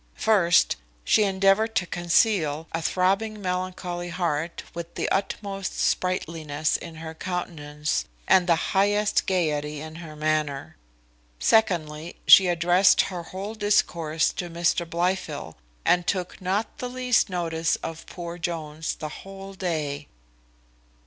First, she endeavoured to conceal a throbbing melancholy heart with the utmost sprightliness in her countenance, and the highest gaiety in her manner. Secondly, she addressed her whole discourse to Mr Blifil, and took not the least notice of poor Jones the whole day.